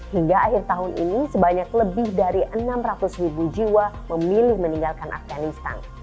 hingga akhir tahun ini sebanyak lebih dari enam ratus ribu jiwa memilih meninggalkan afganistan